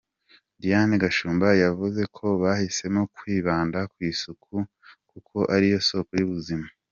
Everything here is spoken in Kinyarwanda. Diane Gashumba yavuze ko bahisemo kwibanda ku isuku kuko ari yo soko y’ubuzima.